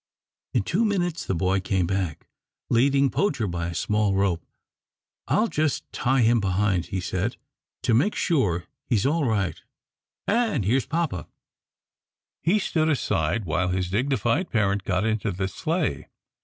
In two minutes the boy came back, leading Poacher by a small rope. "I'll just tie him behind," he said, "to make sure. He's all right and here's papa." He stood aside, while his dignified parent got into the sleigh.